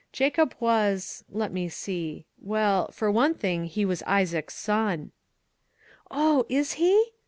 Jacob was let me see well, for one thing, he was Isaac's son." " Oh, is he?